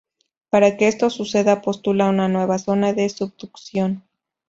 Para que esto suceda postula una nueva zona de subducción.